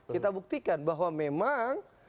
kita buktikan bahwa memang